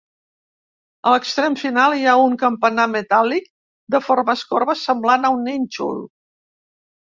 A l'extrem final hi ha un campanar metàl·lic de formes corbes semblant a un nínxol.